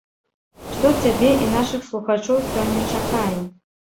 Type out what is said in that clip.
Што цябе і нашых слухачоў сёння чакае?